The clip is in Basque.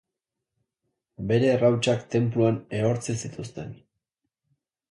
Bere errautsak tenpluan ehortzi zituzten.